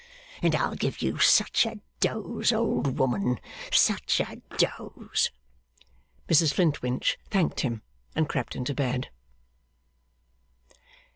And I'll give you such a dose, old woman such a dose!' Mrs Flintwinch thanked him and crept into bed.